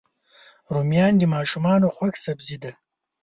رومیان د ماشومانو خوښ سبزي ده